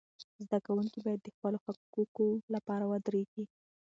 زده کوونکي باید د خپلو حقوقو لپاره ودریږي.